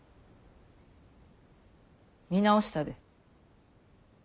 見直したで。